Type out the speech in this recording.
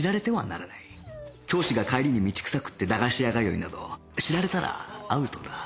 教師が帰りに道草食って駄菓子屋通いなど知られたらアウトだ